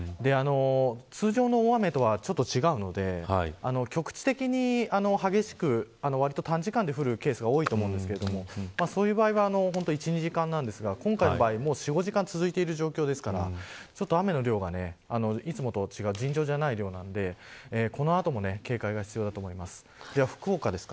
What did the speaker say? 通常の大雨とはちょっと違うので局地的に激しくわりと短時間で降るケースが多いと思うんですけどそういう場合は１、２時間なんですが今回の場合は４、５時間続いている状況ですから雨の量がいつもと違って尋常じゃない量なんでこの後も警戒が必要だと思います。